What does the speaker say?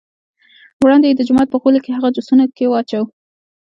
وړاندې یې د جومات په غولي کې هغه جوسه کې واچوه.